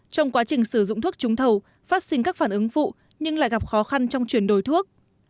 trong quá trình sử dụng thuốc trúng thầu phát sinh các phản ứng phụ nhưng lại gặp khó khăn trong chuyển đổi thuốc